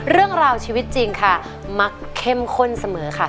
เรื่องราวชีวิตจริงค่ะมักเข้มข้นเสมอค่ะ